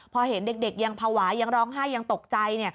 พอเห็นเด็กยังภาวะยังร้องไห้ยังตกใจ